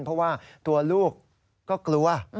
เพราะว่าตัวลูกก็กลัว